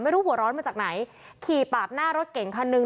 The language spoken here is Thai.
หัวร้อนมาจากไหนขี่ปาดหน้ารถเก่งคันหนึ่ง